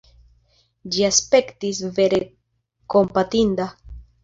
Ĝi aspektis vere kompatinda.